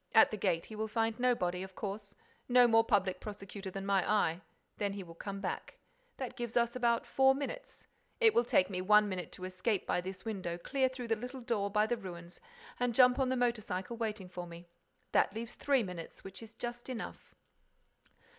At the gate, he will find nobody, of course: no more public prosecutor than my eye. Then he will come back. That gives us about four minutes. It will take me one minute to escape by this window, clear through the little door by the ruins and jump on the motor cycle waiting for me. That leaves three minutes, which is just enough."